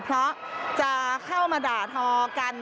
เพราะจะเข้ามาด่าทอกัน